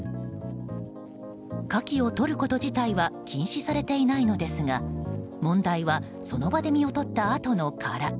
カキをとること自体は禁止されていないのですが問題はその場で身をとったあとの殻。